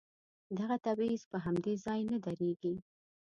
دغه تبعيض په همدې ځای نه درېږي.